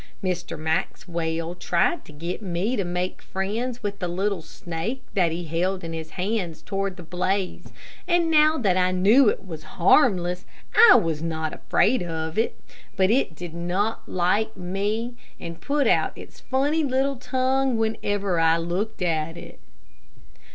Mr. Maxwell tried to get me to make friends with the little snake that he held in his hands toward the blaze, and now that I knew that it was harmless I was not afraid of it; but it did not like me, and put out its funny little tongue whenever I looked at it.